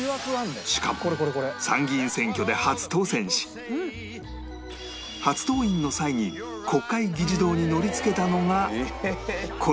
しかも参議院選挙で初当選し初登院の際に国会議事堂に乗りつけたのがこの車